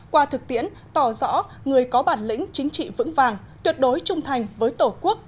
qua thực tiễn tỏ rõ người có bản lĩnh chính trị vững vàng tuyệt đối trung thành với tổ quốc